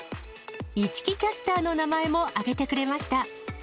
市來キャスターの名前も挙げてくれました。